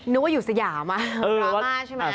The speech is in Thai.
นึกว่าอยู่สยามอะร้อนมากใช่ไหม